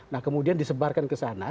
nah kemudian disebarkan ke sana